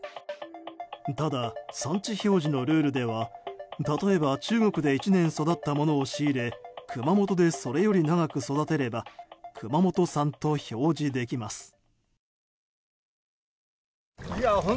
ただ、産地表示のルールでは例えば中国で１年育ったものを仕入れ熊本でそれより長く育てれば熊本産と表示できます。